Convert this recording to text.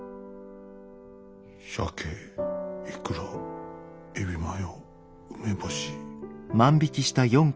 鮭いくらエビマヨ梅干し。